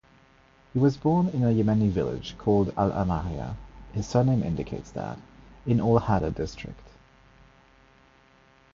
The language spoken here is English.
He was born in a Yemeni village called Al-Amaryah-his surname indicates that-in Al-Hada District.